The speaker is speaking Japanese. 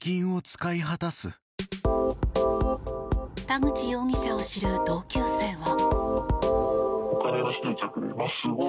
田口容疑者を知る同級生は。